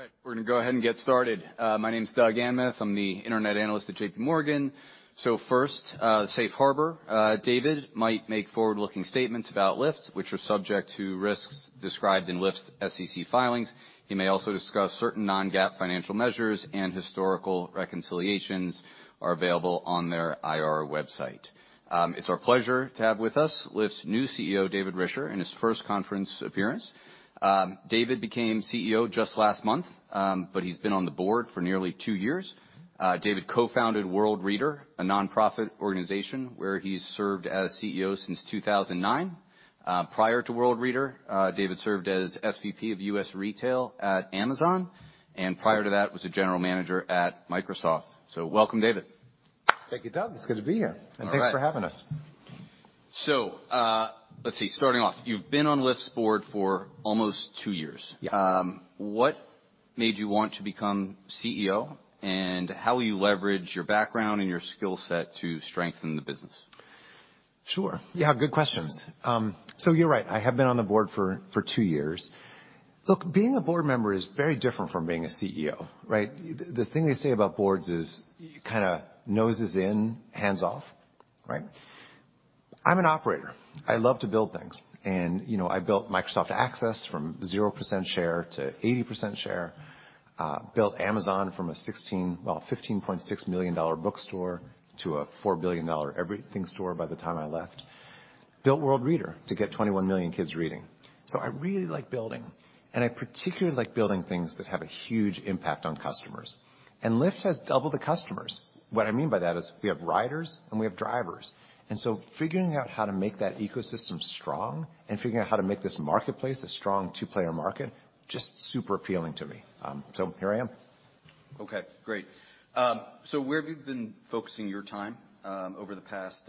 All right, we're gonna go ahead and get started. My name's Doug Anmuth, I'm the internet analyst at J.P. Morgan. First, safe harbor. David might make forward-looking statements about Lyft, which are subject to risks described in Lyft's SEC filings. He may also discuss certain non-GAAP financial measures and historical reconciliations are available on their IR website. It's our pleasure to have with us Lyft's new CEO, David Risher, in his first conference appearance. David became CEO just last month, but he's been on the board for nearly two years. David co-founded Worldreader, a nonprofit organization where he's served as CEO since 2009. Prior to Worldreader, David served as SVP of U.S. Retail at Amazon, prior to that was a general manager at Microsoft. Welcome, David. Thank you, Doug. It's good to be here. All right. Thanks for having us. Let's see. Starting off, you've been on Lyft's board for almost two years. Yeah. What made you want to become CEO, and how will you leverage your background and your skill set to strengthen the business? Sure. Yeah, good questions. You're right, I have been on the board for two years. Look, being a board member is very different from being a CEO, right? The, the thing they say about boards is kind of noses in, hands off, right? I'm an operator. I love to build things. You know, I built Microsoft Access from 0% share to 80% share, built Amazon from a $15.6 million bookstore to a $4 billion everything store by the time I left, built Worldreader to get 21 million kids reading. I really like building, and I particularly like building things that have a huge impact on customers. Lyft has double the customers. What I mean by that is we have riders and we have drivers, and so figuring out how to make that ecosystem strong and figuring out how to make this marketplace a strong two-player market, just super appealing to me. here I am. Okay, great. Where have you been focusing your time over the past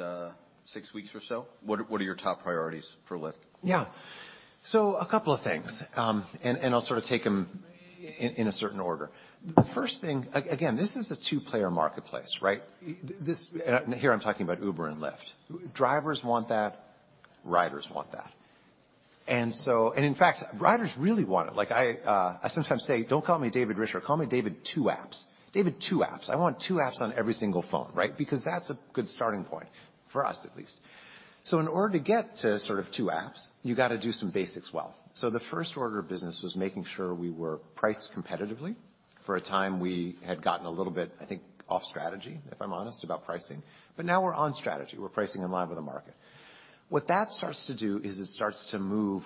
six weeks or so? What, what are your top priorities for Lyft? Yeah. A couple of things, I'll sort of take them in a certain order. The first thing. Again, this is a two-player marketplace, right? Here I'm talking about Uber and Lyft. Drivers want that, riders want that. In fact, riders really want it. Like, I sometimes say, "Don't call me David Risher, call me David two apps. David two apps. I want two apps on every single phone," right? Because that's a good starting point for us at least. In order to get to sort of two apps, you gotta do some basics well. The first order of business was making sure we were priced competitively. For a time, we had gotten a little bit, I think, off strategy, if I'm honest, about pricing, but now we're on strategy. We're pricing in line with the market. What that starts to do is it starts to move,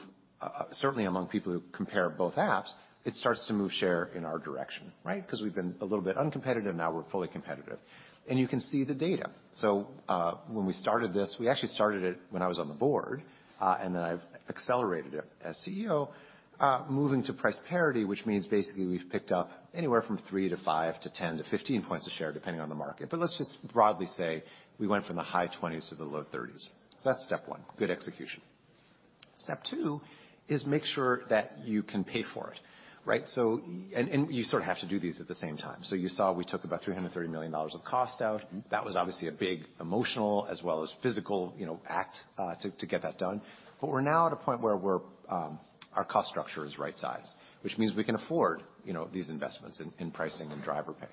certainly among people who compare both apps, it starts to move share in our direction, right? 'Cause we've been a little bit uncompetitive, now we're fully competitive. You can see the data. When we started this. We actually started it when I was on the board, and then I accelerated it as CEO, moving to price parity, which means basically we've picked up anywhere from 3 to 5 to 10 to 15 points a share, depending on the market. Let's just broadly say we went from the high 20s to the low 30s. That's step one, good execution. Step two is make sure that you can pay for it, right? And you sort of have to do these at the same time. You saw we took about $330 million of cost out. Mm-hmm. That was obviously a big emotional as well as physical, you know, act to get that done. We're now at a point where our cost structure is right size, which means we can afford, you know, these investments in pricing and driver pay.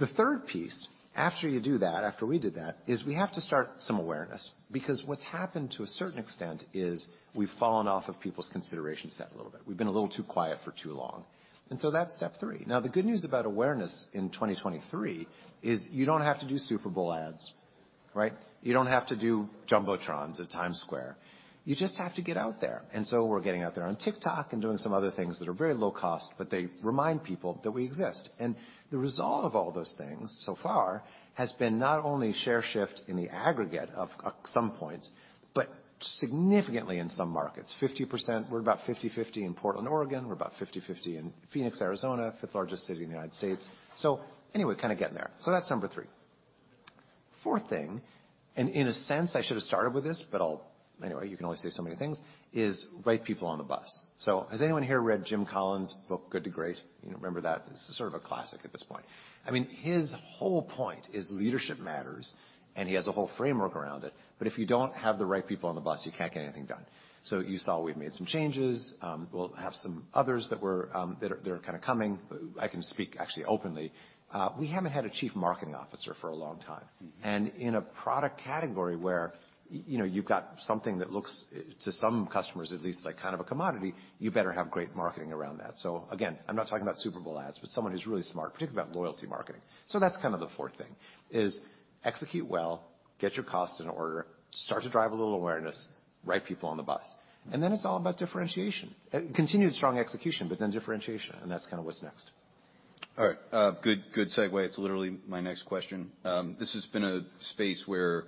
The third piece, after you do that, after we did that, is we have to start some awareness, because what's happened to a certain extent is we've fallen off of people's consideration set a little bit. We've been a little too quiet for too long. So that's step three. Now, the good news about awareness in 2023 is you don't have to do Super Bowl ads, right? You don't have to do jumbotrons at Times Square. You just have to get out there. We're getting out there on TikTok and doing some other things that are very low cost, but they remind people that we exist. The result of all those things so far has been not only share shift in the aggregate of some points, but significantly in some markets, 50%. We're about 50/50 in Portland, Oregon. We're about 50/50 in Phoenix, Arizona, fifth largest city in the United States. Anyway, kind of getting there. That's number three. Fourth thing, and in a sense, I should have started with this, but anyway, you can only say so many things, is right people on the bus. Has anyone here read Jim Collins' book, Good to Great? You remember that? It's sort of a classic at this point. I mean, his whole point is leadership matters, and he has a whole framework around it. If you don't have the right people on the bus, you can't get anything done. You saw we've made some changes. We'll have some others that were, that are kind of coming. I can speak actually openly. We haven't had a chief marketing officer for a long time. Mm-hmm. In a product category where you know, you've got something that looks, to some customers at least, like kind of a commodity, you better have great marketing around that. Again, I'm not talking about Super Bowl ads, but someone who's really smart, particularly about loyalty marketing. That's kind of the fourth thing is execute well, get your costs in order, start to drive a little awareness, right people on the bus. Then it's all about differentiation. Continued strong execution, but then differentiation, and that's kinda what's next. All right. good segue. It's literally my next question. This has been a space where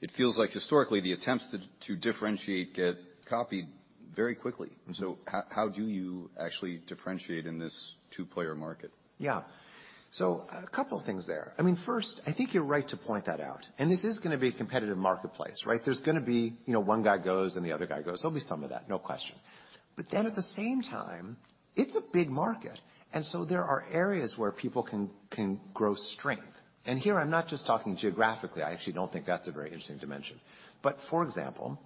it feels like historically the attempts to differentiate get copied very quickly. Mm-hmm. How do you actually differentiate in this two-player market? Yeah. A couple things there. I mean, first, I think you're right to point that out. This is going to be a competitive marketplace, right? There's going to be, you know, one guy goes, and the other guy goes. There'll be some of that, no question. At the same time, it's a big market, there are areas where people can grow strength. Here I'm not just talking geographically, I actually don't think that's a very interesting dimension. For example,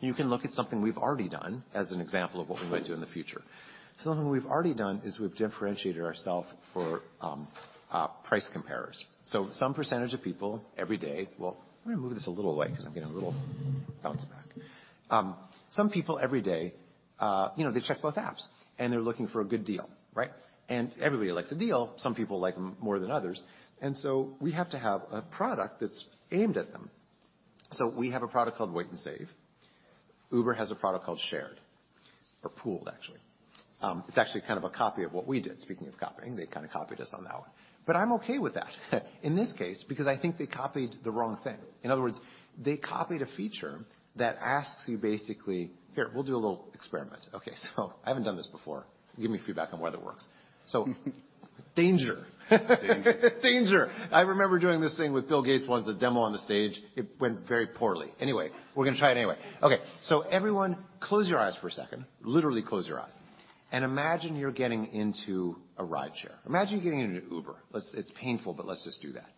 you can look at something we've already done as an example of what we might do in the future. Something we've already done is we've differentiated ourself for price comparers. Some percentage of people every day... Well, let me move this a little way because I'm getting a little bounce back. Some people every day, you know, they check both apps, and they're looking for a good deal, right? Everybody likes a deal. Some people like them more than others. We have to have a product that's aimed at them. We have a product called Wait & Save. Uber has a product called Shared or Pooled, actually. It's actually kind of a copy of what we did. Speaking of copying, they kind of copied us on that one. I'm okay with that in this case, because I think they copied the wrong thing. In other words, they copied a feature that asks you basically... Here, we'll do a little experiment. Okay, I haven't done this before. Give me feedback on whether it works. Danger. Danger. Danger. I remember doing this thing with Bill Gates once, the demo on the stage. It went very poorly. We're gonna try it anyway. Okay, everyone, close your eyes for a second. Literally, close your eyes. Imagine you're getting into a rideshare. Imagine getting into an Uber. It's painful, but let's just do that.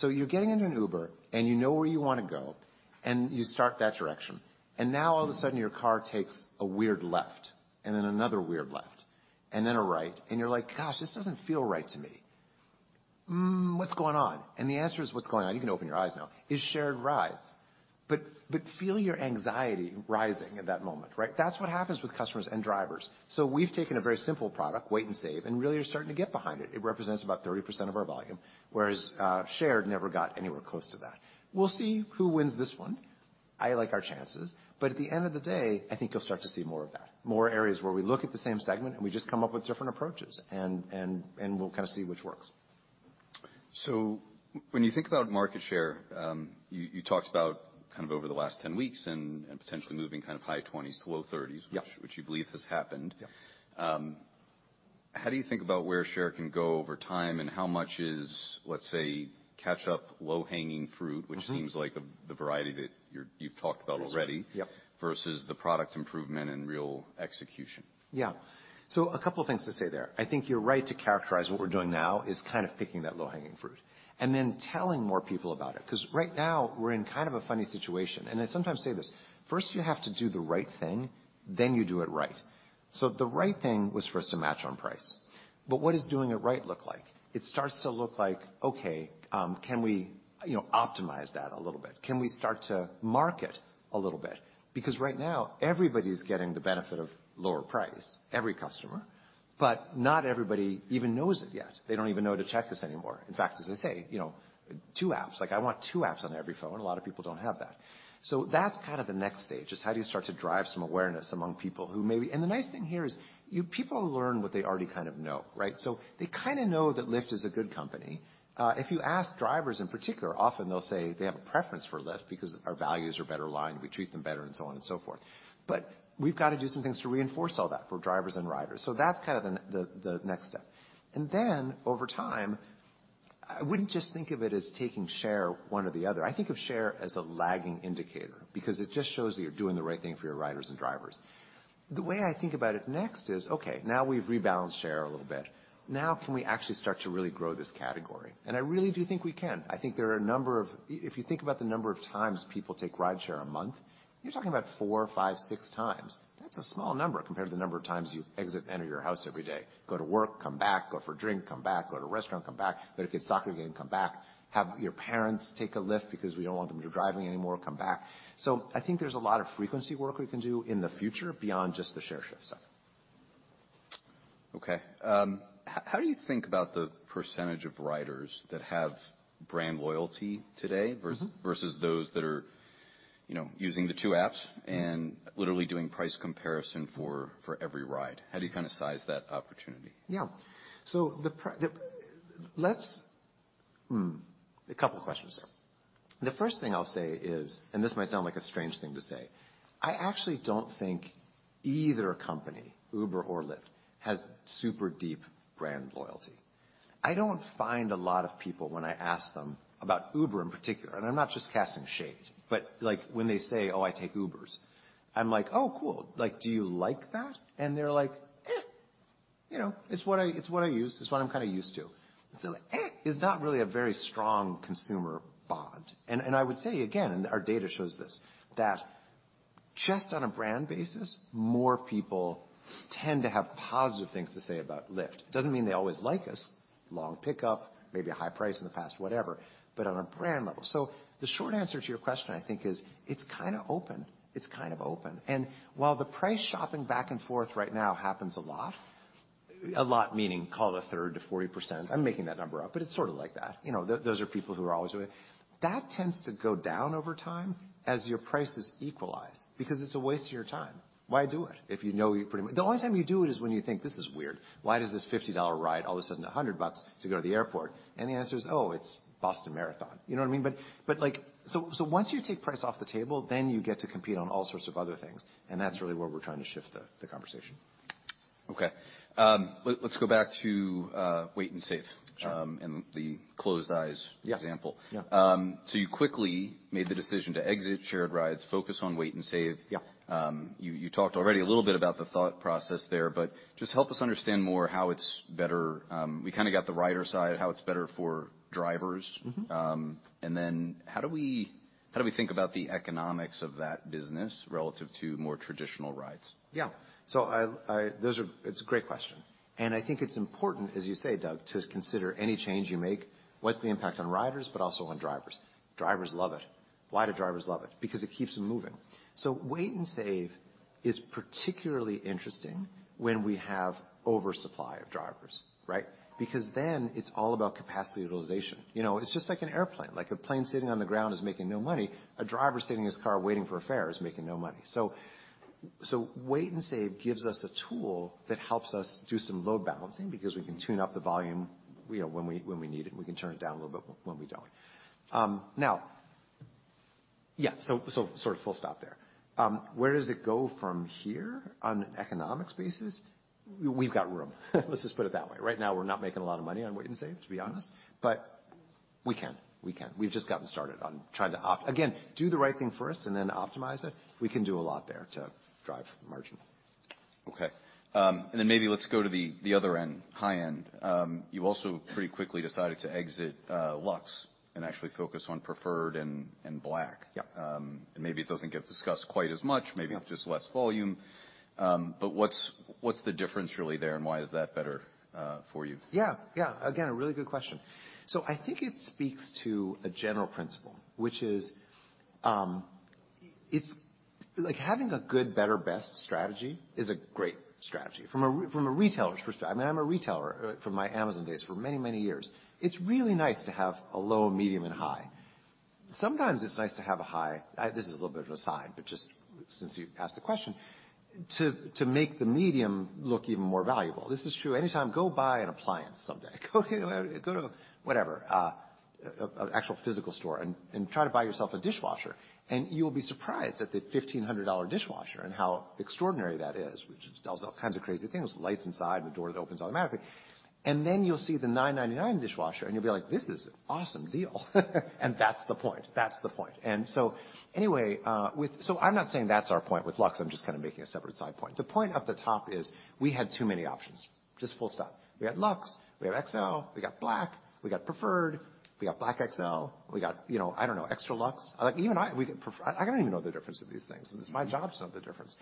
You're getting into an Uber, and you know where you wanna go, and you start that direction. Now all of a sudden, your car takes a weird left, and then another weird left, and then a right, and you're like, "Gosh, this doesn't feel right to me. What's going on?" The answer is, what's going on, you can open your eyes now, is shared rides. Feel your anxiety rising at that moment, right? That's what happens with customers and drivers. We've taken a very simple product, Wait & Save, and really are starting to get behind it. It represents about 30% of our volume, whereas Shared never got anywhere close to that. We'll see who wins this one. I like our chances. At the end of the day, I think you'll start to see more of that. More areas where we look at the same segment, and we just come up with different approaches, and we'll kind of see which works. When you think about market share, you talked about kind of over the last 10 weeks and potentially moving kind of high 20s to low 30s. Yep. -which you believe has happened. Yep. How do you think about where share can go over time, and how much is, let's say, catch-up, low-hanging fruit? Mm-hmm. -which seems like the variety that you're, you've talked about already. Yes. Yep. versus the product improvement and real execution? Yeah. A couple things to say there. I think you're right to characterize what we're doing now is kind of picking that low-hanging fruit and then telling more people about it, 'cause right now, we're in kind of a funny situation, and I sometimes say this, first, you have to do the right thing, then you do it right. The right thing was for us to match on price. What does doing it right look like? It starts to look like, okay, can we, you know, optimize that a little bit? Can we start to market a little bit? Right now, everybody's getting the benefit of lower price, every customer, but not everybody even knows it yet. They don't even know to check us anymore. In fact, as I say, you know, two apps. Like, I want two apps on every phone. A lot of people don't have that. That's kind of the next stage is how do you start to drive some awareness among people. The nice thing here is people learn what they already kind of know, right? They kinda know that Lyft is a good company. If you ask drivers in particular, often they'll say they have a preference for Lyft because our values are better aligned, we treat them better and so on and so forth. We've gotta do some things to reinforce all that for drivers and riders. That's kind of the next step. Over time, I wouldn't just think of it as taking share one or the other. I think of share as a lagging indicator because it just shows that you're doing the right thing for your riders and drivers. The way I think about it next is, okay, now we've rebalanced share a little bit. Can we actually start to really grow this category? I really do think we can. If you think about the number of times people take rideshare a month, you're talking about four, five, six times. That's a small number compared to the number of times you exit and enter your house every day. Go to work, come back. Go for a drink, come back. Go to a restaurant, come back. Go to kid's soccer game, come back. Have your parents take a Lyft because we don't want them to do driving anymore, come back. I think there's a lot of frequency work we can do in the future beyond just the share shift side. Okay. How do you think about the percentage of riders that have brand loyalty today? Mm-hmm. versus those that are, you know, using the two apps and literally doing price comparison for every ride? How do you kinda size that opportunity? Yeah. A couple questions there. The first thing I'll say is, and this might sound like a strange thing to say, I actually don't think either company, Uber or Lyft, has super deep brand loyalty. I don't find a lot of people when I ask them about Uber, in particular, and I'm not just casting shade, but, like, when they say, "Oh, I take Ubers," I'm like, "Oh, cool. Like, do you like that?" They're like, "Eh. You know, it's what I use. It's what I'm kinda used to." Eh, is not really a very strong consumer bond. I would say again, and our data shows this, that just on a brand basis, more people tend to have positive things to say about Lyft. Doesn't mean they always like us. Long pickup, maybe a high price in the past, whatever, but on a brand level. The short answer to your question, I think, is it's kind of open. It's kind of open. While the price shopping back and forth right now happens a lot, a lot meaning call it a third to 40%. I'm making that number up, but it's sort of like that. You know, those are people who are always doing... That tends to go down over time as your prices equalize because it's a waste of your time. Why do it if you know you're pretty much... The only time you do it is when you think, "This is weird. Why does this $50 ride all of a sudden $100 to go to the airport?" The answer is, "Oh, it's Boston Marathon." You know what I mean? Like... Once you take price off the table, then you get to compete on all sorts of other things, and that's really where we're trying to shift the conversation. Okay. Let's go back to Wait & Save. Sure. The closed eyes example. Yeah. Yeah. You quickly made the decision to exit shared rides, focus on Wait & Save. Yeah. You talked already a little bit about the thought process there, but just help us understand more how it's better. We kinda got the rider side, how it's better for drivers. Mm-hmm. How do we think about the economics of that business relative to more traditional rides? Yeah. It's a great question. I think it's important, as you say, Doug, to consider any change you make, what's the impact on riders but also on drivers. Drivers love it. Why do drivers love it? Because it keeps them moving. Wait & Save is particularly interesting when we have oversupply of drivers, right? Because then it's all about capacity utilization. You know, it's just like an airplane. Like, a plane sitting on the ground is making no money. A driver sitting in his car waiting for a fare is making no money. Wait & Save gives us a tool that helps us do some load balancing because we can tune up the volume, you know, when we, when we need it, and we can turn it down a little bit when we don't. Now, yeah, sort of full stop there. Where does it go from here on an economics basis? We've got room. Let's just put it that way. Right now, we're not making a lot of money on Wait & Save, to be honest, but we can. We've just gotten started on trying to Again, do the right thing first and then optimize it. We can do a lot there to drive margin. Okay. Maybe let's go to the other end, high end. You also pretty quickly decided to exit, Lux and actually focus on Preferred and Black. Yep. Maybe it doesn't get discussed quite as much, maybe just less volume. What's the difference really there, and why is that better for you? Yeah. Yeah. Again, a really good question. I think it speaks to a general principle, which is, like, having a good, better, best strategy is a great strategy. From a retailer's perspective. I mean, I'm a retailer from my Amazon days for many, many years. It's really nice to have a low, medium, and high. Sometimes it's nice to have a high. This is a little bit of an aside, but just since you've asked the question. To make the medium look even more valuable. This is true. Anytime, go buy an appliance someday. Go to whatever, an actual physical store and try to buy yourself a dishwasher, and you'll be surprised at the $1,500 dishwasher and how extraordinary that is, which does all kinds of crazy things, lights inside, the door that opens automatically. You'll see the $9.99 dishwasher, you'll be like, "This is an awesome deal." That's the point. That's the point. Anyway, I'm not saying that's our point with Lux, I'm just kinda making a separate side point. The point at the top is we had too many options, just full stop. We had Lux, we have XL, we got Black, we got Preferred, we got Black XL, we got, you know, I don't know, Extra Lux. Like, even I don't even know the difference of these things, it's my job to know the difference.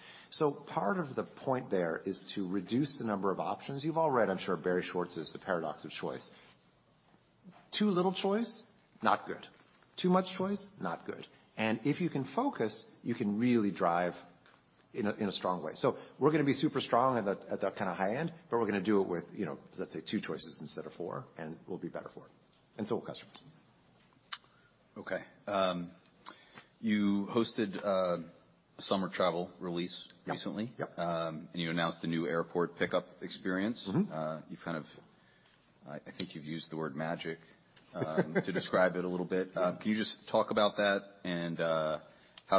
Part of the point there is to reduce the number of options. You've all read, I'm sure, Barry Schwartz's The Paradox of Choice. Too little choice, not good. Too much choice, not good. If you can focus, you can really drive in a strong way. We're going to be super strong at that kind of high end, but we're going to do it with, you know, let's say two choices instead of four, and we'll be better for it, and so will customers. You hosted summer travel release recently. Yep. You announced the new airport pickup experience. Mm-hmm. You've kind of, I think you've used the word magic to describe it a little bit. Can you just talk about that and,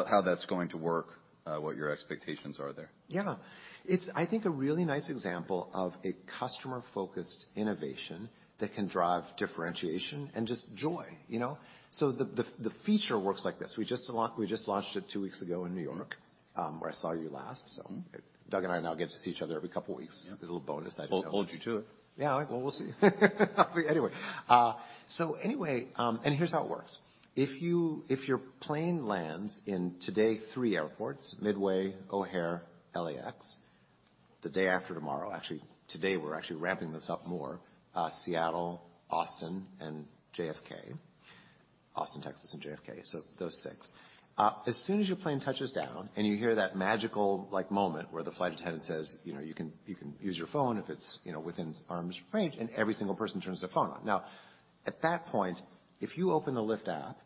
how that's going to work, what your expectations are there? Yeah. It's, I think, a really nice example of a customer-focused innovation that can drive differentiation and just joy, you know? The feature works like this: we just launched it two weeks ago in New York, where I saw you last, Doug and I now get to see each other every couple weeks. It's a little bonus. Hold you to it. Yeah. Well, we'll see. Anyway. Here's how it works. If you, if your plane lands in, today, three airports, Midway, O'Hare, LAX. The day after tomorrow, actually today we're actually ramping this up more, Seattle, Austin, and JFK. Austin, Texas, and JFK, those six. As soon as your plane touches down and you hear that magical, like, moment where the flight attendant says, you know, "You can use your phone if it's, you know, within arm's range," and every single person turns their phone on. Now, at that point, if you open the Lyft app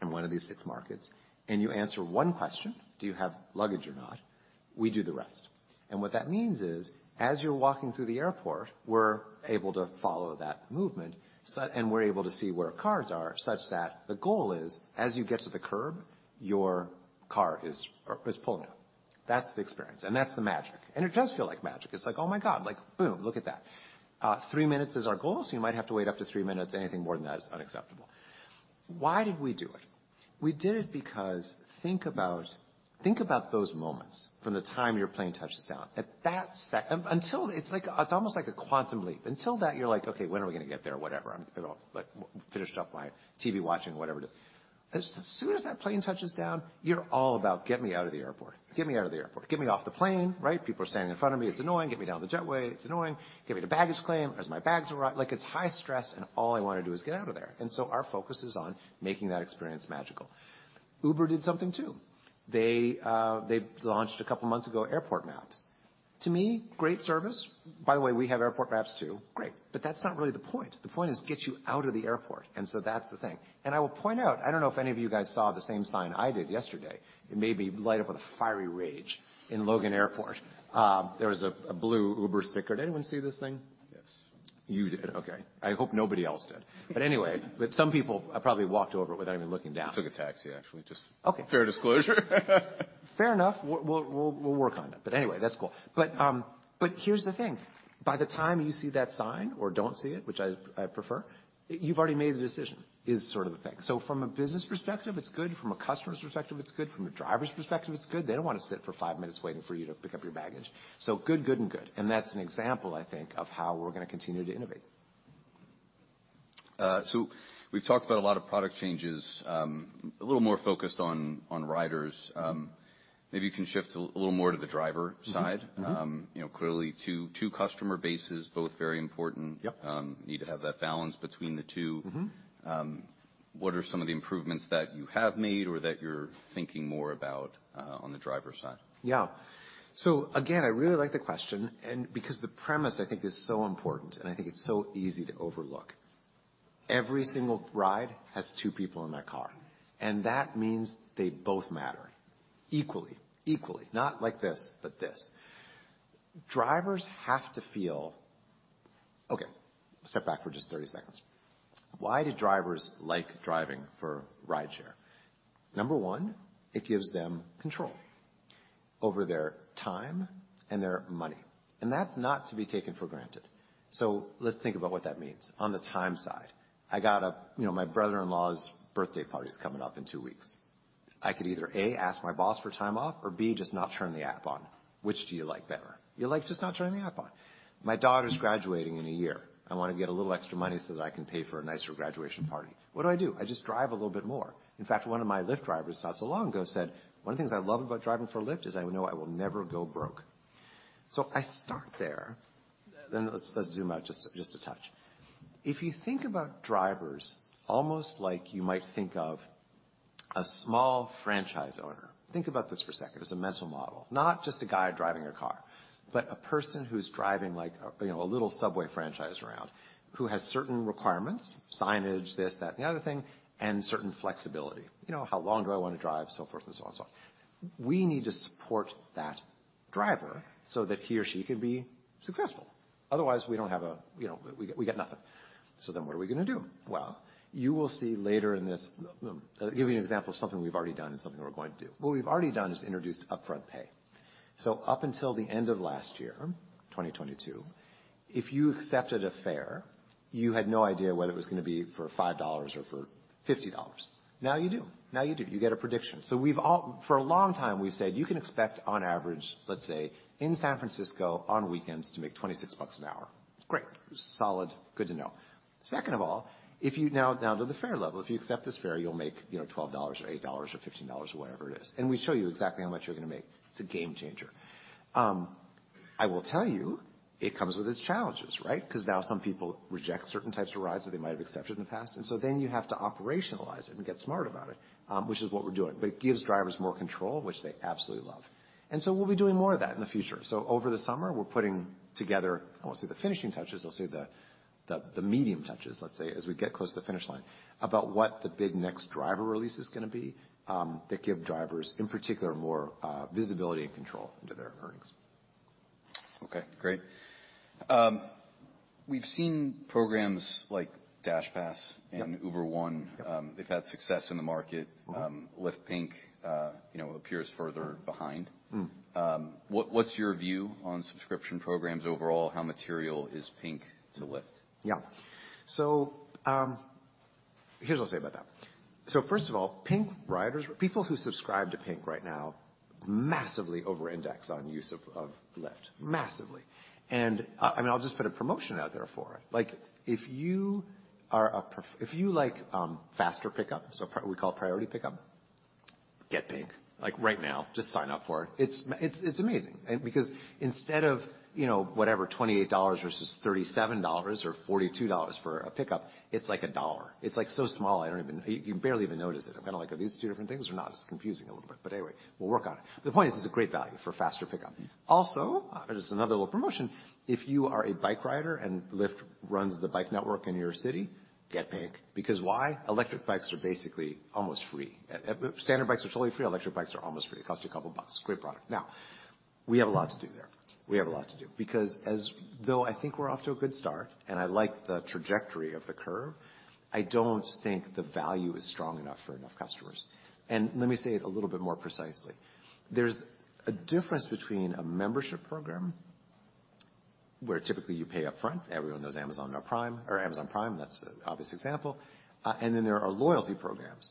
in one of these six markets, and you answer one question: Do you have luggage or not? We do the rest. What that means is, as you're walking through the airport, we're able to follow that movement, and we're able to see where cars are, such that the goal is, as you get to the curb, your car is pulling up. That's the experience, and that's the magic. It does feel like magic. It's like, oh my God, like, boom, look at that. Three minutes is our goal, so you might have to wait up to three minutes. Anything more than that is unacceptable. Why did we do it? We did it because think about those moments from the time your plane touches down. Until it's like, it's almost like a quantum leap. Until that, you're like, "Okay, when are we gonna get there? Whatever. I'm gonna, like, finish up my TV watching," whatever it is. As soon as that plane touches down, you're all about, "Get me out of the airport. Get me out of the airport. Get me off the plane." Right? "People are standing in front of me. It's annoying. Get me down the jetway. It's annoying. Get me to baggage claim. Has my bags arrived?" Like, it's high stress, all I wanna do is get out of there. Our focus is on making that experience magical. Uber did something, too. They launched a couple months ago airport maps. To me, great service. By the way, we have airport maps too. Great. That's not really the point. The point is get you out of the airport. That's the thing. I will point out, I don't know if any of you guys saw the same sign I did yesterday. It made me light up with a fiery rage in Logan Airport. There was a blue Uber sticker. Did anyone see this thing? Yes. You did. Okay. I hope nobody else did. Anyway, but some people have probably walked over it without even looking down. I took a taxi, actually. Okay. fair disclosure. Fair enough. We'll work on it. Anyway, that's cool. Here's the thing. By the time you see that sign or don't see it, which I prefer, you've already made the decision is sort of the thing. From a business perspective, it's good. From a customer's perspective, it's good. From a driver's perspective, it's good. They don't wanna sit for five minutes waiting for you to pick up your baggage. Good, good, and good. That's an example, I think, of how we're gonna continue to innovate. We've talked about a lot of product changes, a little more focused on riders. Maybe you can shift a little more to the driver side. Mm-hmm. Mm-hmm. you know, clearly two customer bases, both very important. Yep. You need to have that balance between the two. Mm-hmm. What are some of the improvements that you have made or that you're thinking more about on the driver side? Yeah. Again, I really like the question because the premise I think is so important, and I think it's so easy to overlook. Every single ride has two people in that car, and that means they both matter equally. Equally. Not like this, but this. Drivers have to feel... Okay, step back for just 30 seconds. Why do drivers like driving for rideshare? Number one, it gives them control over their time and their money, and that's not to be taken for granted. Let's think about what that means. On the time side, I got, you know, my brother-in-law's birthday party is coming up in two weeks. I could either, A, ask my boss for time off or B, just not turn the app on. Which do you like better? You like just not turning the app on. My daughter's graduating in one year. I wanna get a little extra money so that I can pay for a nicer graduation party. What do I do? I just drive a little bit more. In fact, one of my Lyft drivers not so long ago said, "One of the things I love about driving for Lyft is I know I will never go broke." I start there. Let's zoom out just a touch. If you think about drivers almost like you might think of a small franchise owner. Think about this for a second as a mental model. Not just a guy driving a car, but a person who's driving like, you know, a little subway franchise around, who has certain requirements, signage, this, that, and the other thing, and certain flexibility. You know, how long do I wanna drive? Forth and so on. We need to support that driver so that he or she can be successful. Otherwise, we don't have. You know, we get nothing. What are we gonna do? Well, you will see later in this. I'll give you an example of something we've already done and something we're going to do. What we've already done is introduced upfront pay. Up until the end of last year, 2022, if you accepted a fare, you had no idea whether it was gonna be for $5 or for $50. Now you do. Now you do. You get a prediction. We've for a long time, we've said you can expect, on average, let's say, in San Francisco on weekends to make $26 an hour. Great. Solid. Good to know. Second of all, if you now, down to the fare level, if you accept this fare, you'll make, you know, $12 or $8 or $15 or whatever it is. We show you exactly how much you're gonna make. It's a game changer. I will tell you, it comes with its challenges, right? Because now some people reject certain types of rides that they might have accepted in the past. You have to operationalize it and get smart about it, which is what we're doing. It gives drivers more control, which they absolutely love. We'll be doing more of that in the future. Over the summer, we're putting together, I won't say the finishing touches, I'll say the medium touches, let's say, as we get close to the finish line, about what the big next driver release is gonna be, that give drivers, in particular, more visibility and control into their earnings. Okay, great. We've seen programs like DashPass. Yep. Uber One. Yep. They've had success in the market. Mm-hmm. Lyft Pink, you know, appears further behind. Mm-hmm. What's your view on subscription programs overall? How material is Pink to Lyft? Here's what I'll say about that. First of all, Pink riders, people who subscribe to Pink right now massively over-index on use of Lyft. Massively. I mean, I'll just put a promotion out there for it. If you are, if you like faster pickup, we call it Priority Pickup, get Pink right now. Just sign up for it. It's amazing because instead of, you know, whatever, $28 versus $37 or $42 for a pickup, it's like $1. It's so small, I don't even. You barely even notice it. I'm kinda like, "Are these two different things or not?" It's confusing a little bit. We'll work on it. The point is, it's a great value for faster pickup. Just another little promotion, if you are a bike rider and Lyft runs the bike network in your city, get Pink. Why? Electric bikes are basically almost free. Standard bikes are totally free. Electric bikes are almost free. It costs you a couple bucks. Great product. We have a lot to do there. We have a lot to do because as though I think we're off to a good start, and I like the trajectory of the curve, I don't think the value is strong enough for enough customers. Let me say it a little bit more precisely. There's a difference between a membership program, where typically you pay up front. Everyone knows Amazon Prime. That's an obvious example. There are loyalty programs.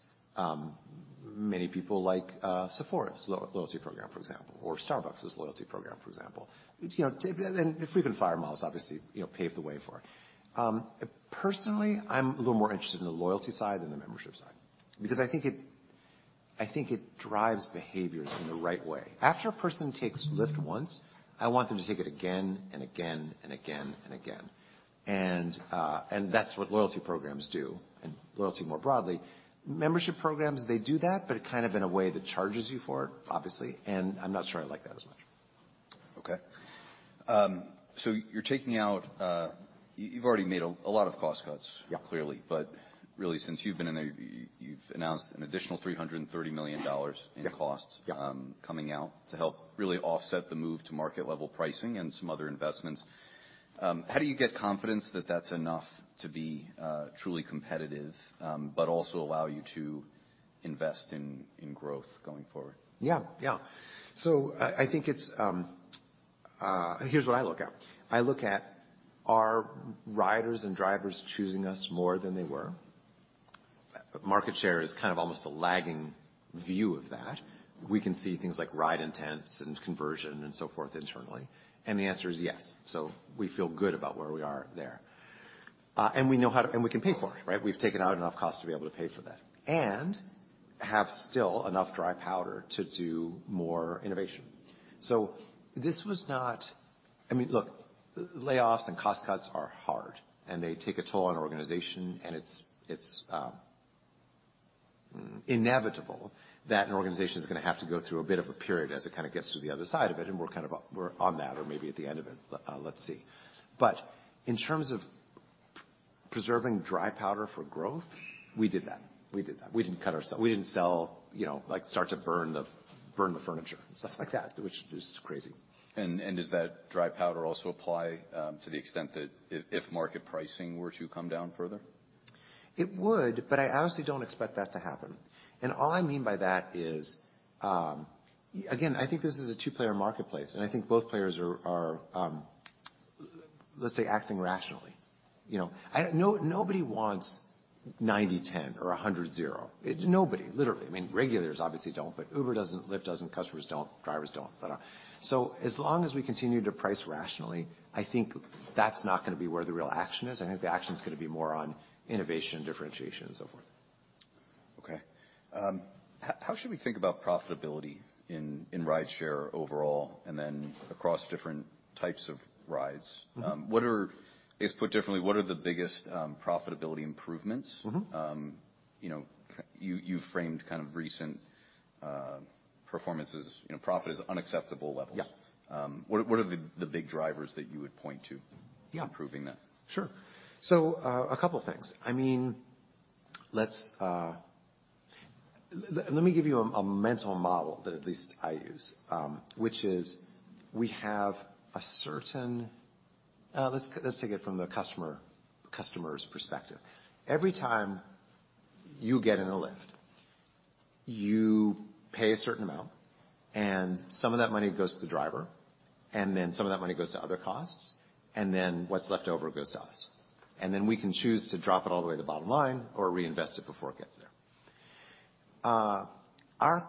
Many people like Sephora's loyalty program, for example, or Starbucks's loyalty program, for example. You know, and [Flip and Firehouse] obviously, you know, paved the way for it. Personally, I'm a little more interested in the loyalty side than the membership side because I think it drives behaviors in the right way. After a person takes Lyft once, I want them to take it again and again and again and again. That's what loyalty programs do and loyalty more broadly. Membership programs, they do that, but kind of in a way that charges you for it, obviously. I'm not sure I like that as much. Okay. You're taking out... You've already made a lot of cost cuts. Yeah. clearly. Really, since you've been in, you've announced an additional $330 million. Yeah. in costs Yeah. Coming out to help really offset the move to market level pricing and some other investments. How do you get confidence that that's enough to be truly competitive, but also allow you to invest in growth going forward? Yeah. Yeah. I think it's... Here's what I look at. I look at are riders and drivers choosing us more than they were? Market share is kind of almost a lagging view of that. We can see things like ride intents and conversion and so forth internally. The answer is yes. We feel good about where we are there. We can pay for it, right? We've taken out enough cost to be able to pay for that and have still enough dry powder to do more innovation. This was not... I mean, look, layoffs and cost cuts are hard, and they take a toll on an organization, and it's inevitable that an organization is gonna have to go through a bit of a period as it kind of gets to the other side of it. We're on that or maybe at the end of it, let's see. In terms of preserving dry powder for growth, we did that. We did that. We didn't cut, we didn't sell, you know, like, start to burn the furniture and stuff like that, which is crazy. Does that dry powder also apply, to the extent that if market pricing were to come down further? It would, but I honestly don't expect that to happen. All I mean by that is, again, I think this is a two-player marketplace, and I think both players are, let's say, acting rationally. You know, nobody wants 90/10 or 100/0. Nobody, literally. I mean, regulators obviously don't, but Uber doesn't, Lyft doesn't, customers don't, drivers don't, da. As long as we continue to price rationally, I think that's not gonna be where the real action is. I think the action is gonna be more on innovation, differentiation, and so forth. Okay. How should we think about profitability in rideshare overall and then across different types of rides? Mm-hmm. I guess put differently, what are the biggest profitability improvements? Mm-hmm. You know, you framed kind of recent performances, you know, profit as unacceptable levels. Yeah. What are the big drivers that you would point to? Yeah. Improving that? Sure. A couple things. I mean, let me give you a mental model that at least I use, which is let's take it from the customer's perspective. Every time you get in a Lyft, you pay a certain amount, and some of that money goes to the driver, and then some of that money goes to other costs, and then what's left over goes to us. We can choose to drop it all the way to the bottom line or reinvest it before it gets there.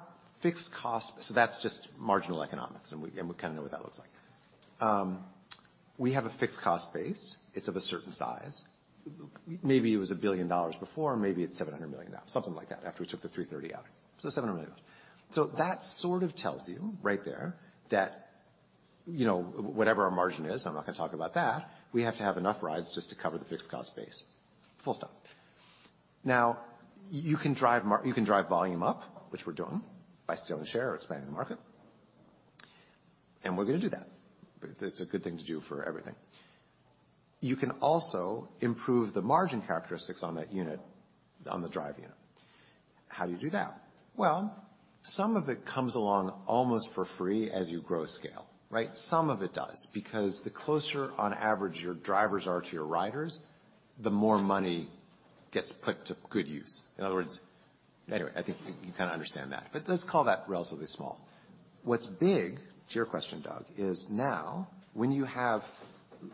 That's just marginal economics, and we, and we kinda know what that looks like. We have a fixed cost base. It's of a certain size. Maybe it was $1 billion before, maybe it's $700 million now, something like that, after we took the $330 out. $700 million. That sort of tells you right there that, you know, whatever our margin is, I'm not gonna talk about that, we have to have enough rides just to cover the fixed cost base. Full stop. You can drive volume up, which we're doing by stealing share or expanding the market, and we're gonna do that. It's a good thing to do for everything. You can also improve the margin characteristics on that unit, on the drive unit. How do you do that? Some of it comes along almost for free as you grow scale, right? Some of it does, because the closer on average your drivers are to your riders, the more money gets put to good use. Anyway, I think you kind of understand that. Let's call that relatively small. What's big, to your question, Doug, is now when you have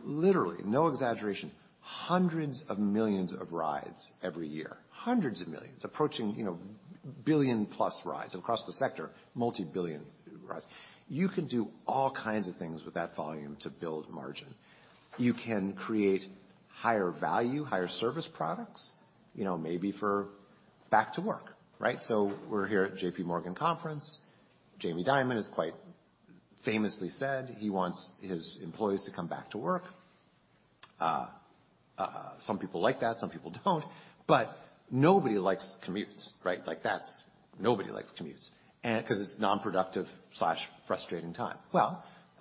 literally, no exaggeration, hundreds of millions of rides every year, hundreds of millions, approaching, you know, billion-plus rides across the sector, multi-billion rides, you can do all kinds of things with that volume to build margin. You can create higher value, higher service products, you know, maybe for back to work, right? We're here at J.P. Morgan conference. Jamie Dimon has quite famously said he wants his employees to come back to work. Some people like that, some people don't. Nobody likes commutes, right? Nobody likes commutes because it's non-productive/frustrating time.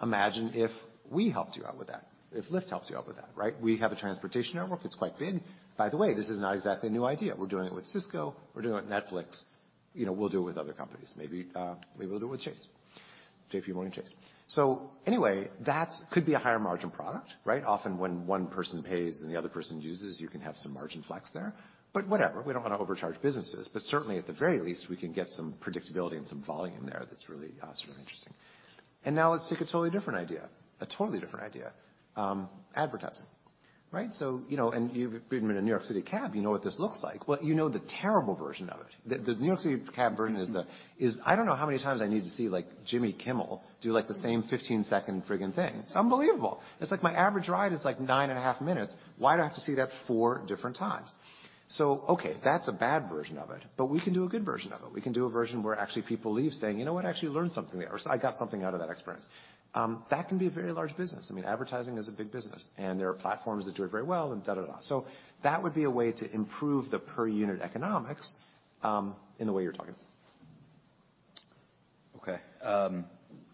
Imagine if we helped you out with that, if Lyft helps you out with that, right? We have a transportation network. It's quite big. By the way, this is not exactly a new idea. We're doing it with Cisco. We're doing it with Netflix. You know, we'll do it with other companies. Maybe, maybe we'll do it with Chase, J.P. Morgan Chase. Anyway, that could be a higher margin product, right? Often when one person pays and the other person uses, you can have some margin flex there. Whatever, we don't wanna overcharge businesses. Certainly, at the very least, we can get some predictability and some volume there that's really, sort of interesting. Now let's take a totally different idea, a totally different idea, advertising, right? You know, and you've been in a New York City cab, you know what this looks like. Well, you know the terrible version of it. The New York City cab version is I don't know how many times I need to see, like, Jimmy Kimmel do, like, the same 15-second frigging thing. It's unbelievable. It's like my average ride is, like, nine and a half minutes. Why do I have to see that four different times? Okay, that's a bad version of it, but we can do a good version of it. We can do a version where actually people leave saying, "You know what? I actually learned something there," or, "I got something out of that experience." That can be a very large business. I mean, advertising is a big business, and there are platforms that do it very well and da, da. That would be a way to improve the per unit economics, in the way you're talking about.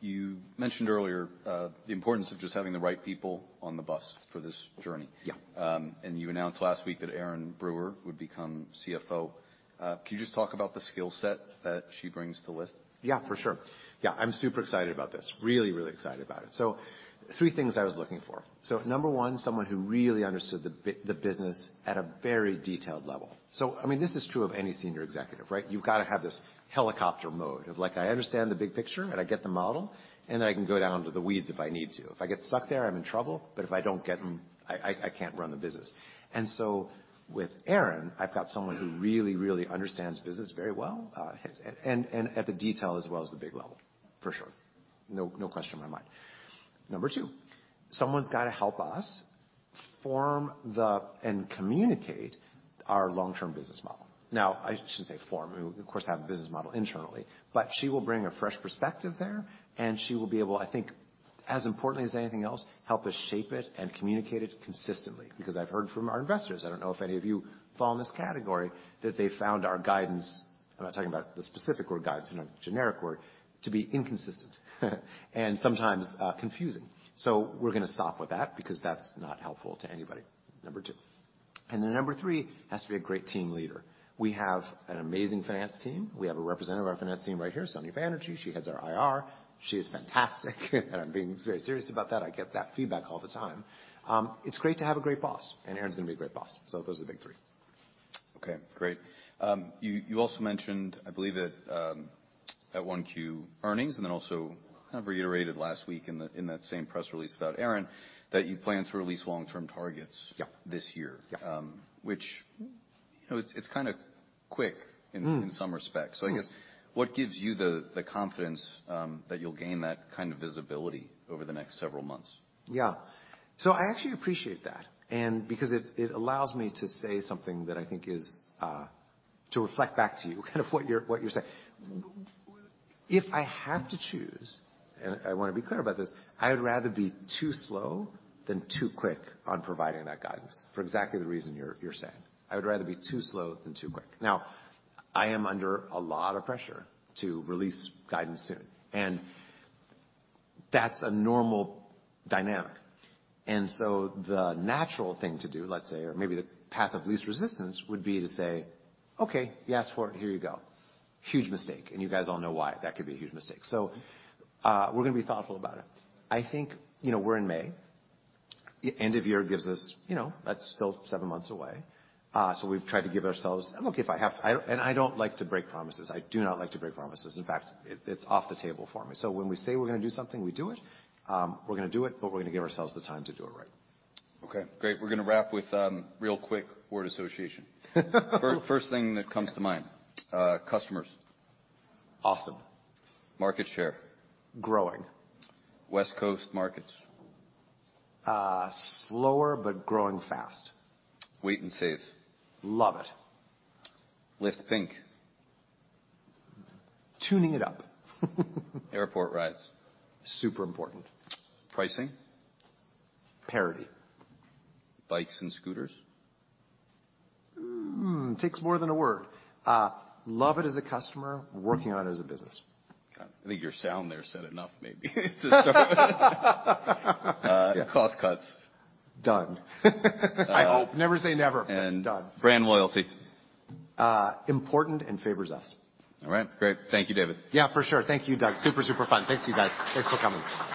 You mentioned earlier, the importance of just having the right people on the bus for this journey. Yeah. You announced last week that Erin Brewer would become CFO. Can you just talk about the skill set that she brings to Lyft? Yeah, for sure. Yeah, I'm super excited about this. Really, really excited about it. Three things I was looking for. Number one, someone who really understood the business at a very detailed level. I mean, this is true of any senior executive, right? You've gotta have this helicopter mode of like, I understand the big picture, and I get the model, and I can go down to the weeds if I need to. If I get stuck there, I'm in trouble, but if I don't get them, I can't run the business. With Erin, I've got someone who really, really understands business very well, and at the detail as well as the big level. For sure. No, no question in my mind. Number two, someone's got to help us and communicate our long-term business model. I shouldn't say form. We of course have a business model internally, but she will bring a fresh perspective there, and she will be able, I think, as importantly as anything else, help us shape it and communicate it consistently. I've heard from our investors, I don't know if any of you fall in this category, that they found our guidance, I'm not talking about the specific word guidance, you know, generic word, to be inconsistent and sometimes confusing. We're gonna stop with that because that's not helpful to anybody. Number two. Number three, has to be a great team leader. We have an amazing finance team. We have a representative of our finance team right here, Sonya Banerjee. She heads our IR. She is fantastic, and I'm being very serious about that. I get that feedback all the time. It's great to have a great boss, and Erin's gonna be a great boss. Those are the big three. Okay, great. You also mentioned, I believe it, at 1Q earnings and then also kind of reiterated last week in that same press release about Erin, that you plan to release long-term targets- Yeah. this year. Yeah. which, you know, it's kinda quick Mm. -in some respects. Mm. I guess what gives you the confidence that you'll gain that kind of visibility over the next several months? Yeah. I actually appreciate that and because it allows me to say something that I think is to reflect back to you, kind of what you're saying. If I have to choose, and I wanna be clear about this, I would rather be too slow than too quick on providing that guidance for exactly the reason you're saying. I would rather be too slow than too quick. I am under a lot of pressure to release guidance soon, and that's a normal dynamic. The natural thing to do, let's say, or maybe the path of least resistance would be to say, "Okay, you asked for it, here you go." Huge mistake, and you guys all know why that could be a huge mistake. We're gonna be thoughtful about it. I think, you know, we're in May. End of year gives us, you know, that's still seven months away. Look, I don't like to break promises. I do not like to break promises. In fact, it's off the table for me. When we say we're gonna do something, we do it. We're gonna do it, but we're gonna give ourselves the time to do it right. Okay, great. We're gonna wrap with real quick word association. First thing that comes to mind. Customers. Awesome. Market share. Growing. West Coast markets. Slower, but growing fast. Wait and Save. Love it. Lyft Pink. Tuning it up. Airport rides. Super important. Pricing. Parity. Bikes and scooters. Takes more than a word. Love it as a customer, working on it as a business. I think your sound there said enough maybe to start with. Yeah. Cost cuts. Done. I hope. Never say never. And- Done. brand loyalty. important and favors us. All right. Great. Thank you, David. Yeah, for sure. Thank you, Doug. Super, super fun. Thanks, you guys. Thanks for coming.